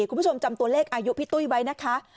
คุณผู้ชมจำตัวเลขอายุพี่ตุ้ยไว้นะคะ